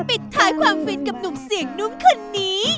ปิดท้ายความฟินกับหนุ่มเสียงนุ่มคนนี้